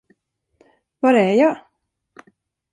Var är jag?